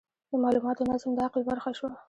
د مالوماتو نظم د عقل برخه شوه.